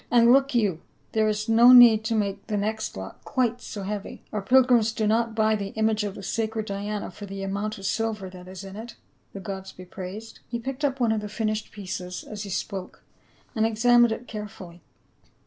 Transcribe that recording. "And look you, there is no need to make the next lot quite so heavy ; our pilgrims do not buy the image of the sacred Diana for the amount of silver that is in it, the gods be praised." He picked up one of the finished pieces as he spoke and examined it carefully.